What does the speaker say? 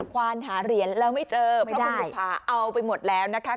ควานหาเหรียญแล้วไม่เจอเพราะคุณบุภาเอาไปหมดแล้วนะคะ